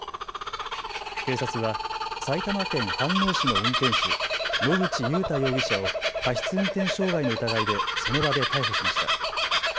警察は埼玉県飯能市の運転手、野口祐太容疑者を過失運転傷害の疑いでその場で逮捕しました。